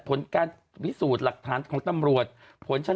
ผลการพิสูจน์หลักฐานของตำรวจ